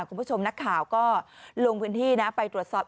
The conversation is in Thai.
คุณผู้ชมนักข่าวก็ลงพื้นที่นะไปตรวจสอบ